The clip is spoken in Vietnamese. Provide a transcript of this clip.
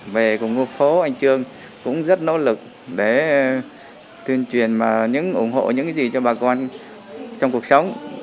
về cùng ngôi phố anh trương cũng rất nỗ lực để tuyên truyền và ủng hộ những gì cho bà con trong cuộc sống